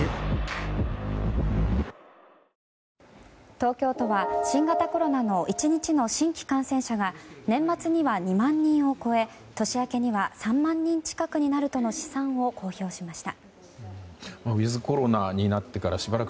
東京都は新型コロナの１日の新規感染者が年末には２万人を超え年明けには３万人近くになるとの試算を公表しました。